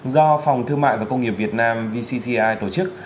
do phòng thương mại và công nghiệp việt nam vcci tổ chức